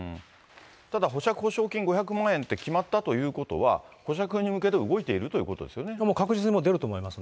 ただ保釈保証金５００万円って決まったということは、保釈に向けて動いているということですね。